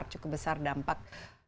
cukup besar dampak